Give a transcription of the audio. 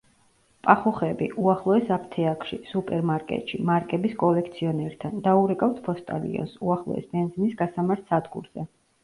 პახუხები: უახლოეს აფთიაქში; სუპერმარკეტში; მარკების კოლექციონერთან; დაურეკავთ ფოსტალიონს; უახლოეს ბენზინის გასამართ სადგურზე.